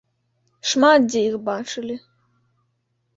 Шмат дзе іх бачылі.